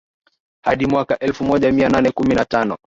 hadi mwaka elfu moja mia nane kumi na tano